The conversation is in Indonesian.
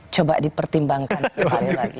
coba dipertimbangkan sekali lagi